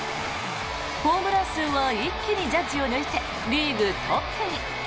ホームラン数は一気にジャッジを抜いてリーグトップに。